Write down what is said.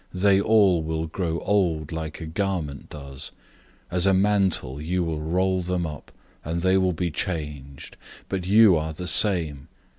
They all will grow old like a garment does. 001:012 As a mantle, you will roll them up, and they will be changed; but you are the same.